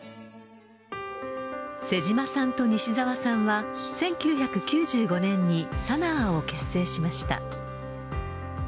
妹島さんと西沢さんは１９９５年にＳＡＮＡＡを結成しました。